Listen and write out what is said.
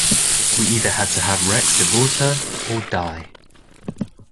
We either had to have Rex divorce her or die.